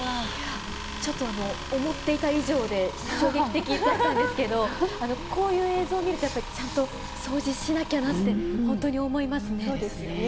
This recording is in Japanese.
ちょっと思っていた以上で、衝撃的だったんですけど、こういう映像を見るとやっぱり、ちゃんと掃除しなきゃなって、そうですよね。